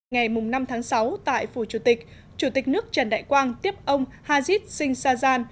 ngày năm sáu tại phủ chủ tịch chủ tịch nước trần đại quang tiếp ông hazid singh sajjan